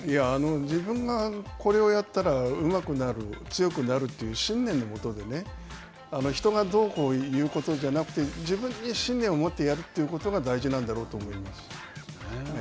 自分がこれをやったらうまくなる強くなるという信念のもとでね、人がどうこう言うことじゃなくて自分で信念を持ってやるということが大事なんだろうと思います。